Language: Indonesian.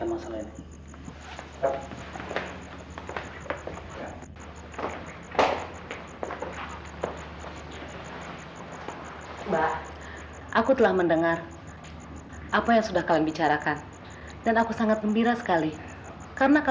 oke sekarang kita panggil sita